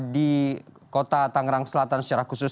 di kota tangerang selatan secara khusus